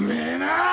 あ！